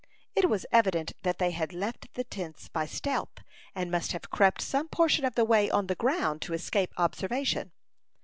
It was evident that they had left the tents by stealth, and must have crept some portion of the way on the ground to escape observation.